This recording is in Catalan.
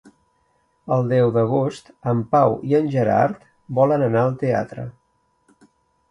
El deu d'agost en Pau i en Gerard volen anar al teatre.